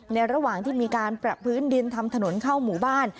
ระหว่างที่มีการปรับพื้นดินทำถนนเข้าหมู่บ้าน